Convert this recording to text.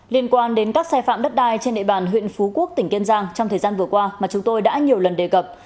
liên quan đến các sai phạm đất đai trên địa bàn huyện phú quốc tỉnh kiên giang trong thời gian vừa qua mà chúng tôi đã nhiều lần đề cập